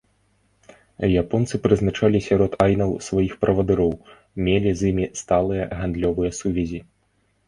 Японцы прызначалі сярод айнаў сваіх правадыроў, мелі з імі сталыя гандлёвыя сувязі.